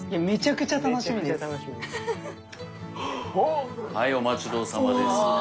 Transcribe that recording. めちゃくちゃ楽しみです。